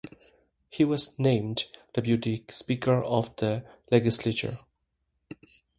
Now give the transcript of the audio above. He was named deputy speaker of the Legislature.